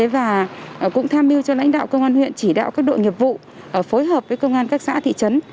và cũng tham mưu cho lãnh đạo công an huyện chỉ đạo các đội nghiệp vụ phối hợp với công an các xã thị trấn